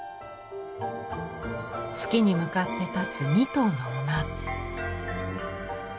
月に向かって立つ２頭の馬。